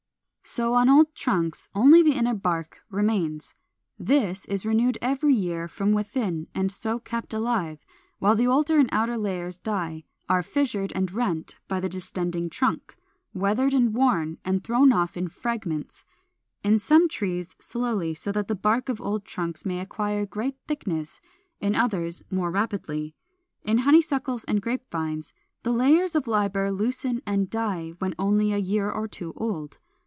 433. So on old trunks only the inner bark remains. This is renewed every year from within and so kept alive, while the older and outer layers die, are fissured and rent by the distending trunk, weathered and worn, and thrown off in fragments, in some trees slowly, so that the bark of old trunks may acquire great thickness; in others, more rapidly. In Honeysuckles and Grape Vines, the layers of liber loosen and die when only a year or two old.